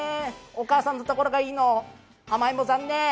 お母さんのところがいいの、甘えん坊さんね。